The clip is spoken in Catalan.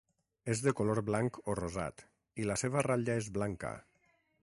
És de color blanc o rosat, i la seva ratlla és blanca.